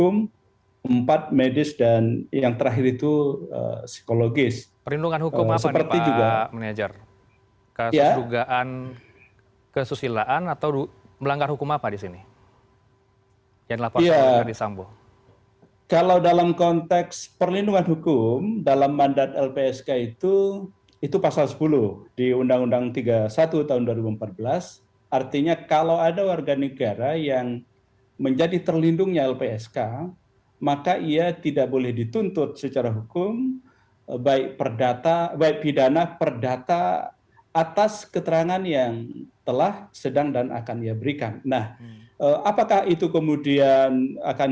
menjadi berjalan lancar ditandai dengan adanya kerelaan dan keamanan